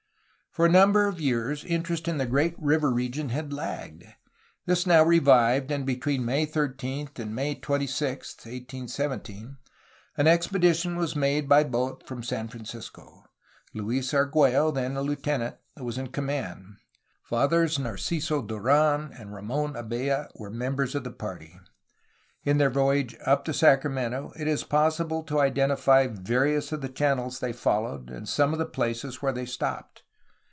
For a number of years, interest in the great river region had lagged. This now revived, and between May 13 and May 26, 1817, an expedition was made by boat from San Francisco. Luis Argiiello, then a lieutenant, was in com 430 A HISTORY OF CALIFORNIA mand. Fathers Narciso Duran and Ram6n Abella were members of the party. In their voyage up the Sacramento it is possible to identify various of the channels they followed and some of the places where they stopped.